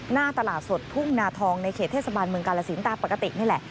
หน้าตลาดสดทุ่งนาทองในเขตเทศบาลเมืองกาลสินตามปกตินี่แหละ